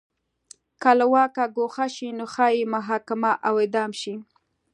که له واکه ګوښه شي نو ښايي محاکمه او اعدام شي.